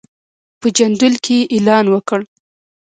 په جندول کې یې اعلان وکړ.